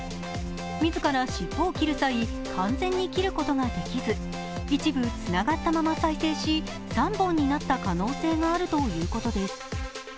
自ら尻尾を切る際、完全に切ることができず一部つながったまま再生し、３本になった可能性があるということです。